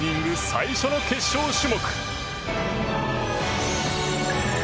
最初の決勝種目。